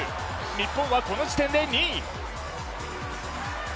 日本はこの時点で２位。